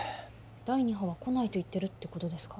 第二波はこないと言ってるってことですか？